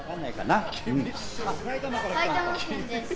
埼玉県です。